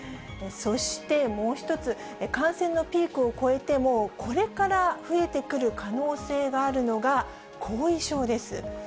そしてもう一つ、感染のピークを越えても、これから増えてくる可能性があるのが、後遺症です。